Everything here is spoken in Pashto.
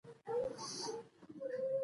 د پښتورګو د تیږې لپاره د جوارو ویښتان وکاروئ